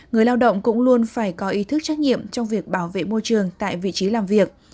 người lao động cũng luôn phải có ý thức trách nhiệm trong việc bảo vệ môi trường tại vị trí làm việc